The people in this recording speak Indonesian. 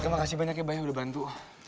terima kasih banyak ya ba yang udah bantu